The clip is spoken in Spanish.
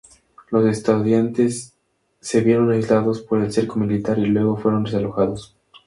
Los estudiantes se vieron aislados por el cerco militar y luego fueron desalojados.